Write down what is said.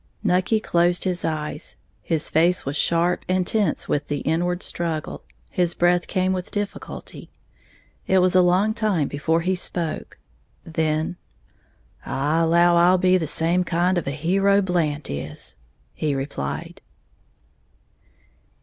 Nucky closed his eyes; his face was sharp and tense with the inward struggle; his breath came with difficulty. It was a long time before he spoke; then, "I allow I'll be the same kind of a hero Blant is," he replied.